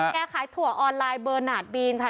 แกขายถั่วออนไลน์เบอร์นาทบีนค่ะ